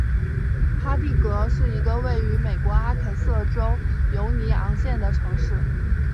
哈蒂格是一个位于美国阿肯色州犹尼昂县的城市。